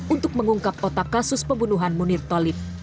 untuk mengungkap otak kasus pembunuhan munir tolib